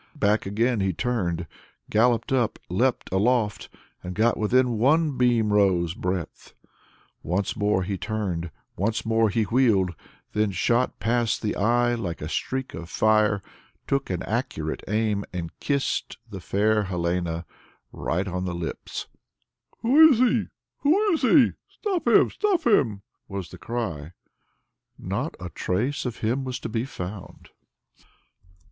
Back again he turned, galloped up, leapt aloft, and got within one beam row's breadth. Once more he turned, once more he wheeled, then shot past the eye like a streak of fire, took an accurate aim, and kissed the fair Helena right on the lips! "Who is he? Who is he? Stop him! Stop him!" was the cry. Not a trace of him was to be found!